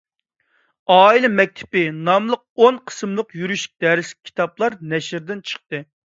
«ئائىلە مەكتىپى» ناملىق ئون قىسىملىق يۈرۈشلۈك دەرسلىك كىتابلار نەشردىن چىقتى.